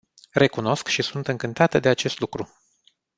Recunosc și sunt încântată de acest lucru.